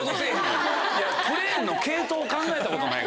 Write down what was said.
クレーンの系統を考えたことないから。